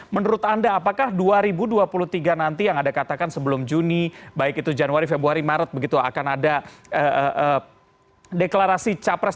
menurut anda apakah dua ribu dua puluh tiga nanti yang anda katakan sebelum juni baik itu januari februari maret begitu akan ada deklarasi capres